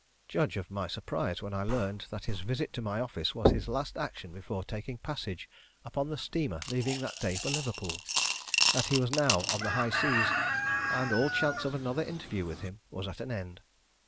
Judge of my surprise when I learned that his visit to my office was his last action before taking passage upon the steamer leaving that day for Liverpool; that he was now on the high seas, and all chance of another interview with him was at an end.